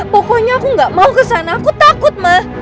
pokoknya aku gak mau kesana aku takut mah